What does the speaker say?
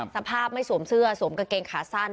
สภาพไม่สวมเสื้อสวมกางเกงขาสั้น